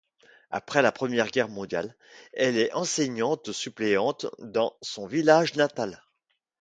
Après la Première Guerre mondiale, elle est enseignante suppléante dans son village natal.